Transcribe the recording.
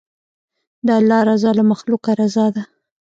د الله رضا له مخلوقه رضا ده.